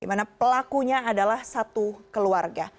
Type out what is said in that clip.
dimana pelakunya adalah satu keluarga